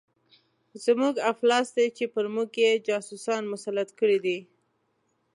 زموږ افلاس دی چې پر موږ یې جاسوسان مسلط کړي دي.